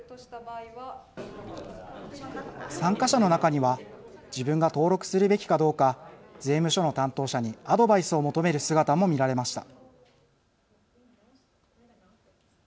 参加者の中には自分が登録するべきかどうか税務署の担当者にアドバイスを求める姿も見られました。